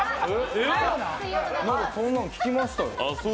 そんなん聞きました。